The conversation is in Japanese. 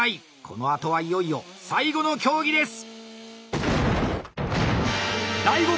このあとはいよいよ最後の競技です！